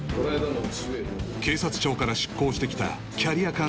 警察庁から出向してきたキャリア